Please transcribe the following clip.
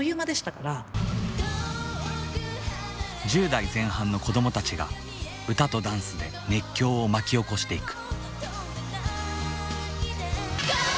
１０代前半の子どもたちが歌とダンスで熱狂を巻き起こしていく。